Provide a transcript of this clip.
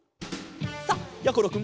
さあやころくん